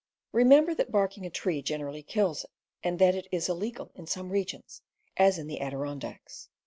Remember that barking a tree generally kills it, and that it is illegal in some regions, as in the Adirondacks.